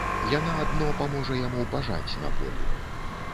Яна адно паможа яму пажаць на полі.